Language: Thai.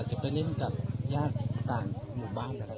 จะไปเล่นกับย่างต่างหมู่บ้าน